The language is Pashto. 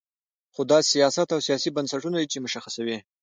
خو دا سیاست او سیاسي بنسټونه دي چې مشخصوي.